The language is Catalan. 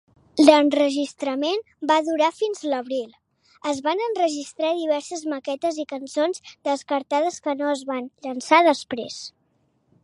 L'enregistrament va durar fins a abril. Es van enregistrar diverses maquetes i cançons descartades que no es van llançar després.